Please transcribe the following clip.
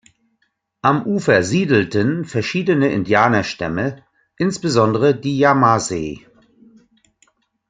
Am Ufer siedelten verschiedene Indianerstämmen, insbesondere die Yamasee.